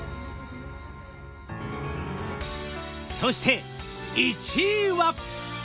そして１位は？